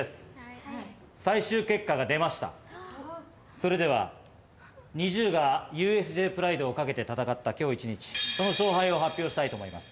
それではＮｉｚｉＵがＵＳＪプライドを懸けて戦った今日一日その勝敗を発表したいと思います。